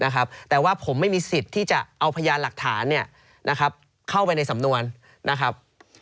เข้าไปในสำนวนนะครับ